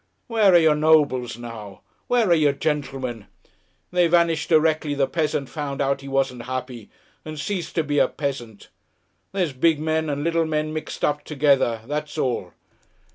Where are your nobles now? Where are your gentlemen? They vanished directly the peasant found out he wasn't happy and ceased to be a peasant. There's big men and little men mixed up together, that's all.